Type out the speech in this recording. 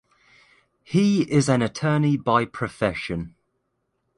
He is an attorney by profession.